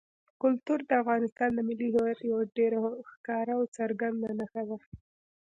کلتور د افغانستان د ملي هویت یوه ډېره ښکاره او څرګنده نښه ده.